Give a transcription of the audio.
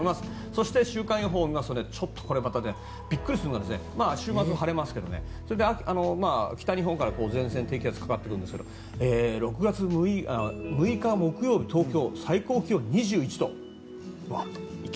そして週間予報はこれまたビックリするのが週末晴れますけど北日本から前線の低気圧がかかってくるんですが６日木曜日、東京最高気温、２１度。